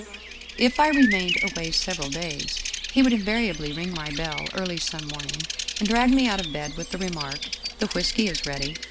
" If I remained away several days, he would invariably ring my bell early some morning, and drag me out of bed with the remark: 'The whisky is ready.